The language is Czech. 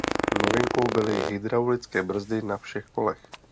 Novinkou byly hydraulické brzdy na všech kolech.